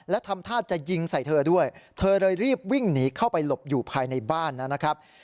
และทำท่าจะยิงใส่เธอด้วยเธอเลยรีบวิ่งหนีเข้าไปหลบอยู่ภายในบ้านนะครับ